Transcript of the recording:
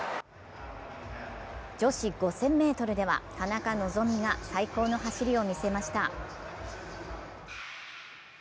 女子５０００ｍでは、田中希実が最高の走りを見せました。